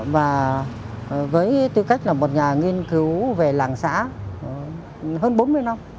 và với tư cách là một nhà nghiên cứu về làng xã hơn bốn mươi năm